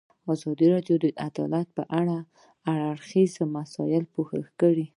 ازادي راډیو د عدالت په اړه د هر اړخیزو مسایلو پوښښ کړی.